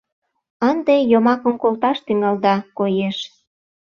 Ынде йомакым колташ тӱҥалда, коеш.